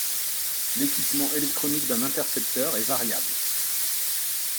L'équipement électronique d'un intercepteur est variable.